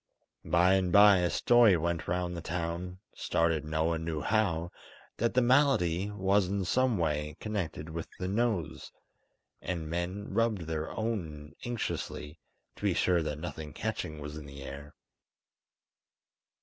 By and bye a story went round the town, started no one knew how, that the malady was in some way connected with the nose; and men rubbed their own anxiously, to be sure that nothing catching was in the air.